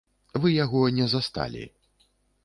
Вы яго не засталі.